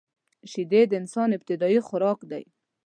شیدې د انسان ابتدايي خوراک دی